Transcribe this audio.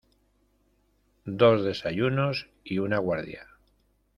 dos desayunos y una guardia.